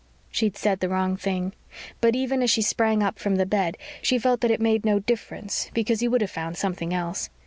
She'd said the wrong thing, but even as she sprang up from the bed she felt that it made no difference because he would have found something else.